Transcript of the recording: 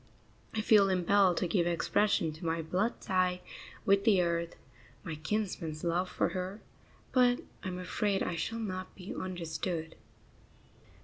I feel impelled to give expression to my blood tie with the earth, my kinsman's love for her; but I am afraid I shall not be understood.